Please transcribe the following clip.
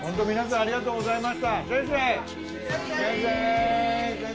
ありがとうございます。